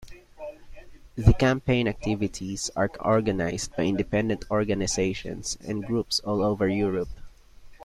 The campaign activities are organised by independent organisations and groups all over Europe.